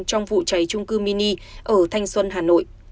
trong vụ cháy trung cư mini ở thanh xuân hà nội